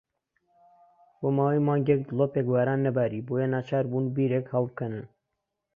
بۆ ماوەی مانگێک دڵۆپێک باران نەباری، بۆیە ناچار بوون بیرێک هەڵبکەنن.